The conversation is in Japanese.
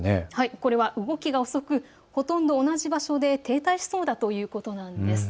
これは動きが遅く、ほとんど同じ場所で停滞しそうだということなんです。